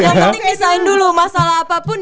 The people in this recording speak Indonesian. yang penting desain dulu masalah apapun